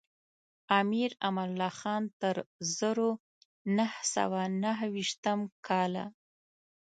امیر امان الله خان تر زرو نهه سوه نهه ویشتم کاله.